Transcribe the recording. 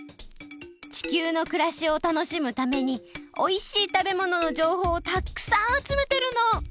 地球のくらしをたのしむためにおいしい食べもののじょうほうをたっくさんあつめてるの！